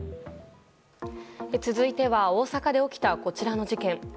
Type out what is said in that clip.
続いては大阪で起きたこちらの事件。